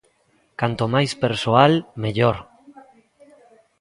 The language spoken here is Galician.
Canto máis persoal, mellor.